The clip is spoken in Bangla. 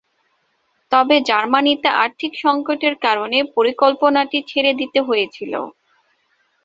তবে জার্মানিতে আর্থিক সঙ্কটের কারণে পরিকল্পনাটি ছেড়ে দিতে হয়েছিল।